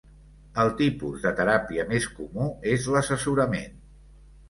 El tipus de teràpia més comú és l'assessorament.